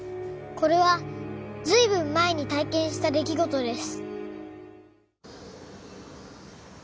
［これはずいぶん前に体験した出来事です］